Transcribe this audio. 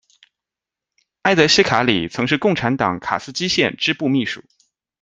艾德希卡里曾是共产党卡斯基县支部秘书。